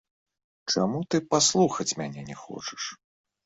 Чаму ты паслухаць мяне не хочаш?